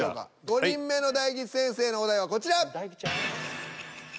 ５人目の大吉先生のお題はこちら！